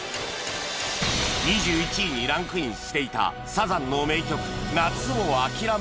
２１位にランクインしていたサザンの名曲『夏をあきらめて』